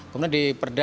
kemudian di perda